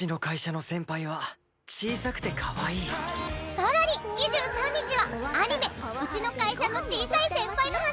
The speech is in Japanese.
さらに２３日はアニメ『うちの会社の小さい先輩の話』